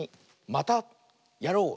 「またやろう！」。